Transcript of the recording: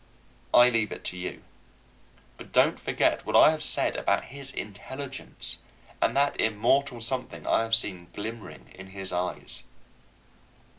I leave it to you. But don't forget what I have said about his intelligence and that immortal something I have seen glimmering in his eyes.